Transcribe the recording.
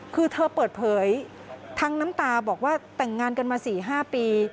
คือเธอเปิดเผยทั้งน้ำตาบอกว่าแต่งงานกันมา๔๕ปี